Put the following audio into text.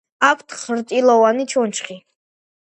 აქვთ ხრტილოვანი ჩონჩხი.